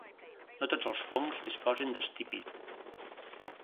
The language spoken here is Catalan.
No tots els fongs disposen d'estípit.